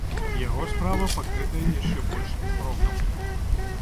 Яго справа пакрытая яшчэ большым змрокам.